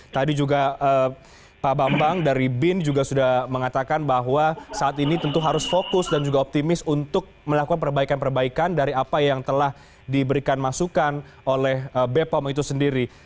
tadi juga pak bambang dari bin juga sudah mengatakan bahwa saat ini tentu harus fokus dan juga optimis untuk melakukan perbaikan perbaikan dari apa yang telah diberikan masukan oleh bepom itu sendiri